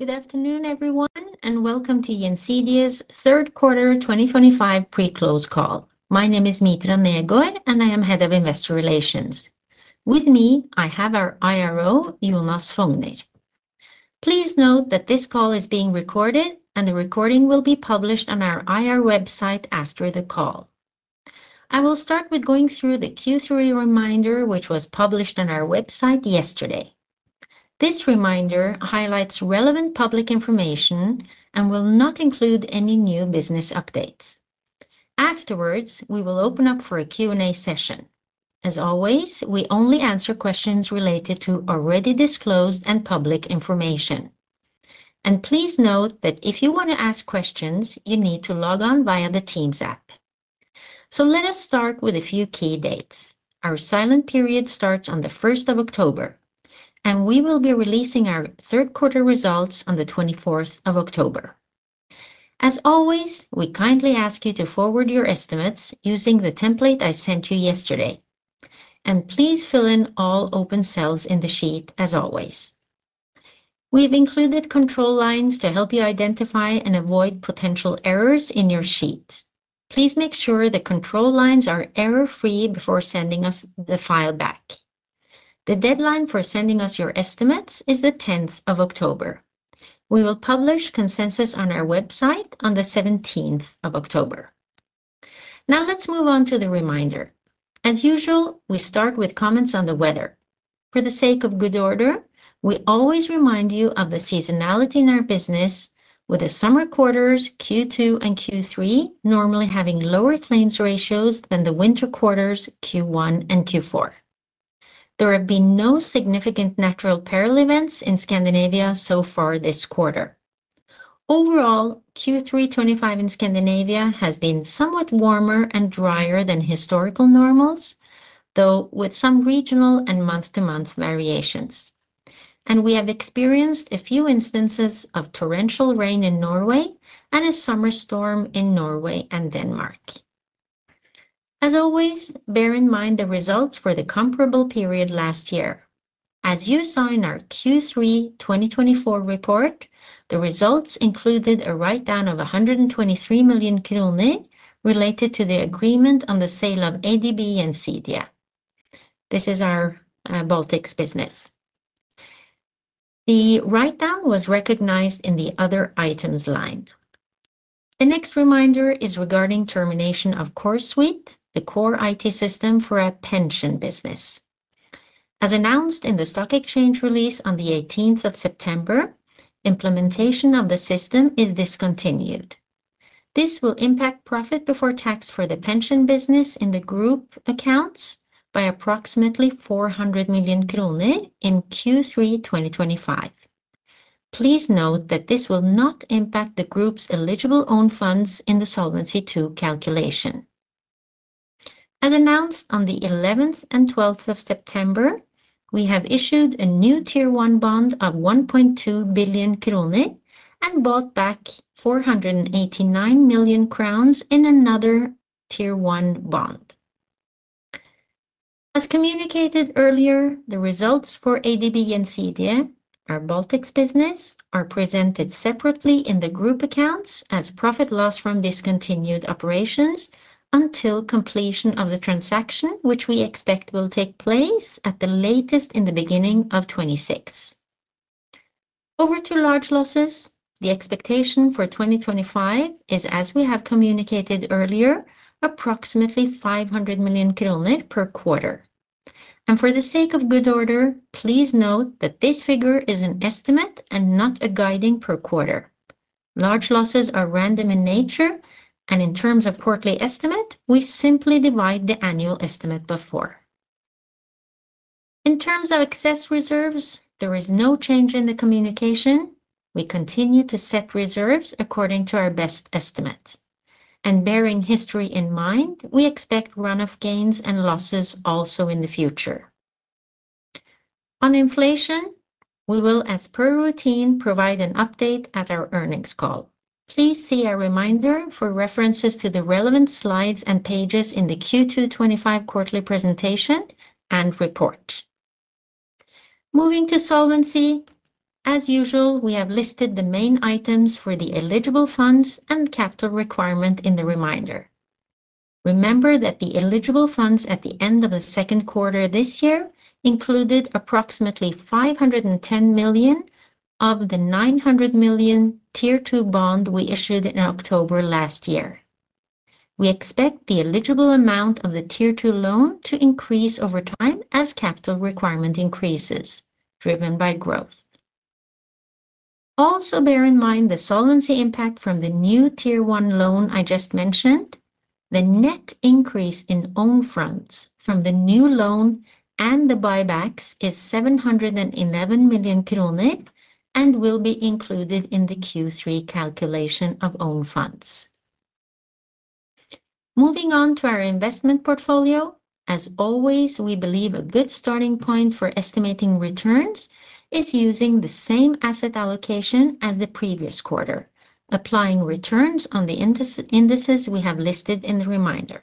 Good afternoon, everyone, and welcome to Gjensidige Forsikring's third quarter 2025 pre-close call. My name is Mitra Negård, and I am Head of Investor Relations. With me, I have our Investor Relations Officer, Jónas Fónir. Please note that this call is being recorded, and the recording will be published on our IR website after the call. I will start with going through the Q3 reminder, which was published on our website yesterday. This reminder highlights relevant public information and will not include any new business updates. Afterwards, we will open up for a Q&A session. As always, we only answer questions related to already disclosed and public information. Please note that if you want to ask questions, you need to log on via the Teams app. Let us start with a few key dates. Our silent period starts on the 1st of October, and we will be releasing our third quarter results on the 24th of October. As always, we kindly ask you to forward your estimates using the template I sent you yesterday. Please fill in all open cells in the sheet as always. We've included control lines to help you identify and avoid potential errors in your sheet. Please make sure the control lines are error-free before sending us the file back. The deadline for sending us your estimates is the 10th of October. We will publish consensus on our website on the 17th of October. Now let's move on to the reminder. As usual, we start with comments on the weather. For the sake of good order, we always remind you of the seasonality in our business, with the summer quarters Q2 and Q3 normally having lower claims ratios than the winter quarters Q1 and Q4. There have been no significant natural perils events in Scandinavia so far this quarter. Overall, Q3 2025 in Scandinavia has been somewhat warmer and drier than historical normals, though with some regional and month-to-month variations. We have experienced a few instances of torrential rain in Norway and a summer storm in Norway and Denmark. Always bear in mind the results for the comparable period last year. As you saw in our Q3 2024 report, the results included a write-down of 123 million kroner related to the agreement on the sale of ABG. This is our Baltics business. The write-down was recognized in the Other Items line. The next reminder is regarding the termination of Core Suite, the core IT system for our pension business. As announced in the Stock Exchange release on the 18th of September, implementation of the system is discontinued. This will impact profit before tax for the pension business in the group accounts by approximately 400 million kroner in Q3 2025. Please note that this will not impact the group's eligible owned funds in the Solvency II calculation. As announced on September 11 and 12, we have issued a new Tier 1 bond of 1.2 billion krone and bought back 489 million crowns in another Tier 1 bond. As communicated earlier, the results for ADB Gjensidige, our Baltics business, are presented separately in the group accounts as profit/loss from discontinued operations until completion of the transaction, which we expect will take place at the latest in the beginning of 2026. Over to large losses, the expectation for 2025 is, as we have communicated earlier, approximately 500 million kroner per quarter. For the sake of good order, please note that this figure is an estimate and not a guiding per quarter. Large losses are random in nature, and in terms of quarterly estimate, we simply divide the annual estimate before. In terms of excess reserves, there is no change in the communication. We continue to set reserves according to our best estimate. Bearing history in mind, we expect run-off gains and losses also in the future. On inflation, we will, as per routine, provide an update at our earnings call. Please see a reminder for references to the relevant slides and pages in the Q2 2025 quarterly presentation and report. Moving to solvency, as usual, we have listed the main items for the eligible funds and the capital requirement in the reminder. Remember that the eligible funds at the end of the second quarter this year included approximately 510 million of the 900 million Tier 2 bond we issued in October last year. We expect the eligible amount of the Tier 2 loan to increase over time as capital requirement increases, driven by growth. Also, bear in mind the solvency impact from the new Tier 1 loan I just mentioned. The net increase in owned funds from the new loan and the buybacks is 711 million krone and will be included in the Q3 calculation of owned funds. Moving on to our investment portfolio, as always, we believe a good starting point for estimating returns is using the same asset allocation as the previous quarter, applying returns on the indices we have listed in the reminder.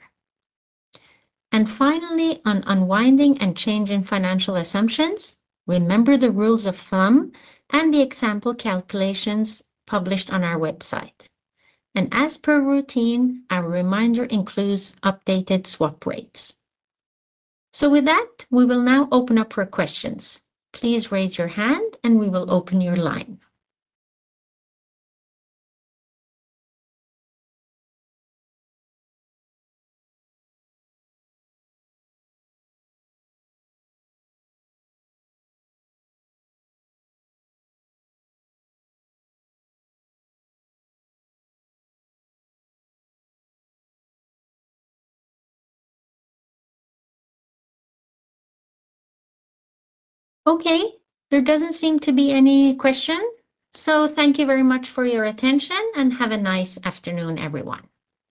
Finally, on unwinding and changing financial assumptions, remember the rules of thumb and the example calculations published on our website. As per routine, our reminder includes updated swap rates. With that, we will now open up for questions. Please raise your hand, and we will open your line. There doesn't seem to be any question, so thank you very much for your attention and have a nice afternoon, everyone.